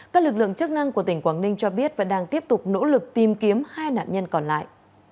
các lực lượng chức năng của tỉnh quảng ninh cho biết vẫn đang tiếp tục nỗ lực tìm kiếm hai nạn nhân còn lại